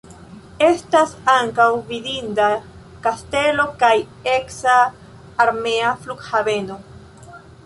Estas ankaŭ vidinda kastelo kaj eksa armea flughaveno.